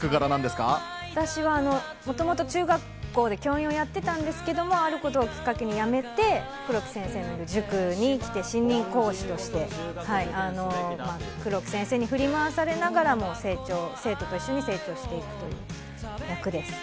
私はもともと中学校で教員をやっていたんですけど、あることをきっかけにやめて黒木先生の塾に来て、新任講師として黒木先生に振り回されながらも生徒と一緒に成長していく役です。